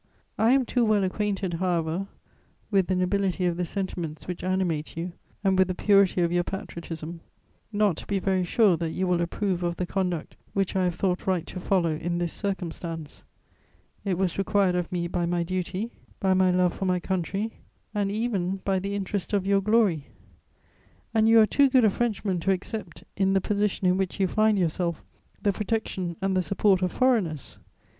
I am too well acquainted, however, with the nobility of the sentiments which animate you and with the purity of your patriotism, not to be very sure that you will approve of the conduct which I have thought right to follow in this circumstance; it was required of me by my duty, by my love for my country and even by the interest of your glory; and you are too good a Frenchman to accept, in the position in which you find yourself, the protection and the support of foreigners.